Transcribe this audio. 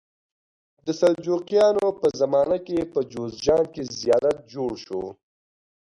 د سلجوقیانو په زمانه کې په جوزجان کې زیارت جوړ شو.